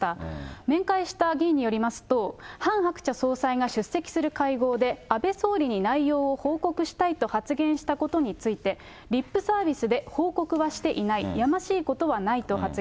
面会した議員によりますと、ハン・ハクチャ総裁が出席する会合で、安倍総理に内容を報告したいと発言したことについて、リップサービスで報告はしていない、やましいことはないと発言。